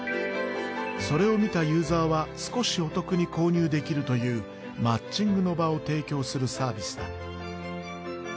それを見たユーザーは少しお得に購入できるというマッチングの場を提供するサービスだ。